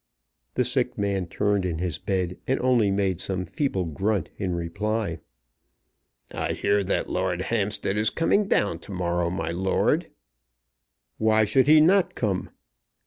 The sick man turned in his bed, and only made some feeble grunt in reply. "I hear that Lord Hampstead is coming down to morrow, my lord." "Why should he not come?"